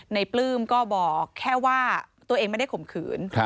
ปลื้มก็บอกแค่ว่าตัวเองไม่ได้ข่มขืน